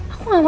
aku gak mau